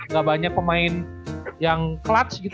gak banyak pemain yang clubs gitu